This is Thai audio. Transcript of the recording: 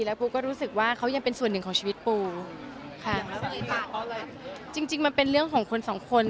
แล้วปูก็รู้สึกว่าเขายังเป็นส่วนหนึ่งของชีวิตปูค่ะจริงจริงมันเป็นเรื่องของคนสองคน